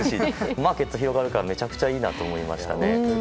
マーケット広がるからめちゃくちゃいいなと思いましたね。